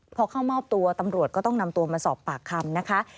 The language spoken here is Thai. พอเข้ามอบตัวตำรวจก็ต้องนำตัวมาสอบปากคำนะคะ